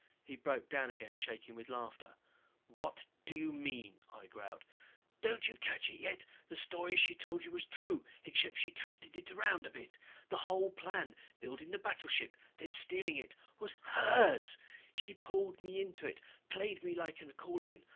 He broke down again, shaking with laughter. "What do you mean," I growled. "Don't you catch yet? The story she told you was true except she twisted it around a bit. The whole plan, building the battleship, then stealing it, was hers. She pulled me into it, played me like an accordion.